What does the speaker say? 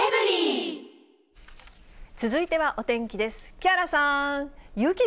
続いてはお天気です。